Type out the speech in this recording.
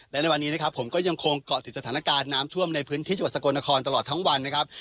และในวันนี้นะครับผมก็ยังคงเกาะติดสถานการณ์น้ำท่วมในพื้นที่จังหวัดสกลนครตลอดทั้งวันนะครับ